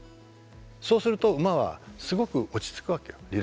そうすると馬はすごく落ち着くわけよリラックスして。